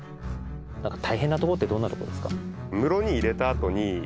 何か大変なとこってどんなとこですか？